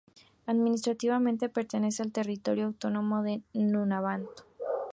Administrativamente, pertenece al territorio autónomo de Nunavut.